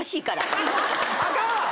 あかんわ！